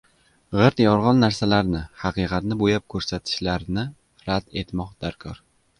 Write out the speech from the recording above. G‘irt yolg‘on narsalarni, haqiqatni bo‘yab ko‘rsatishlarni rad etmoq darkor.